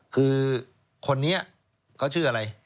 คือคนนี้เขาชื่ออะไร